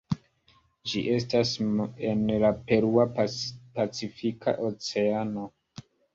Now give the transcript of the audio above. Ĝi estas en la Perua Pacifika Oceano.